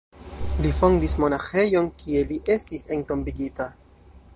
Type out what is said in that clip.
Li fondis monaĥejon, kie li estis entombigita.